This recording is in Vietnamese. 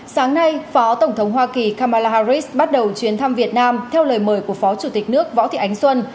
sáng nay phó tổng thống hoa kỳ kamala harris bắt đầu chuyến thăm việt nam theo lời mời của phó chủ tịch nước võ thị ánh xuân